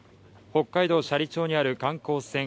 北海道斜里町にある観光船